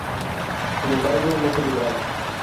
Sin embargo, no fue liberado.